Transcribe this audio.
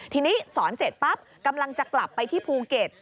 ทีนี้สอนเสร็จปั๊บกำลังจะกลับไปที่ภูเก็ต